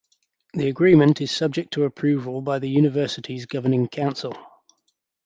The agreement is subject to approval by the university's governing council.